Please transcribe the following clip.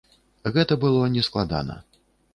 Гэта было не складана.